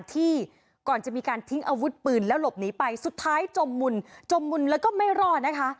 ก่อนจะมีการทิ้งอาวุธปืนแล้วหลบหนีไปสุดท้ายจมมุนจมมุนแล้วก็ไม่รอดนะคะ